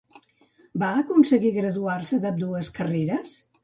Va aconseguir graduar-se d'ambdues carreres?